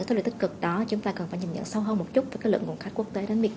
thay đổi tích cực đó chúng ta cần phải nhìn nhận sâu hơn một chút với lượng khách quốc tế đến việt